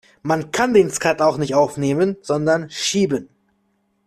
Man kann den Skat auch nicht aufnehmen, sondern „Schieben“.